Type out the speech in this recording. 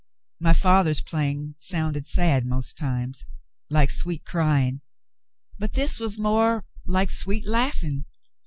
My father's playing sounded sad most times, like sweet crying, but this was more like sweet laughing.